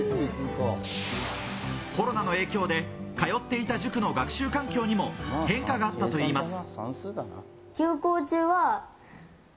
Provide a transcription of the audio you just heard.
コロナの影響で通っていた塾の学習環境にも変化があったといいます。